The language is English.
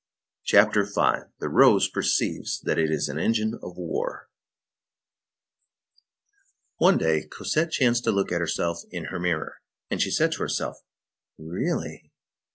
CHAPTER V—THE ROSE PERCEIVES THAT IT IS AN ENGINE OF WAR One day, Cosette chanced to look at herself in her mirror, and she said to herself: "Really!"